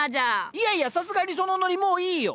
いやいやさすがにそのノリもういいよ。